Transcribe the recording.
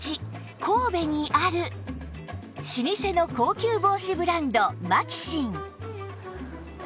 神戸にある老舗の高級帽子ブランドマキシン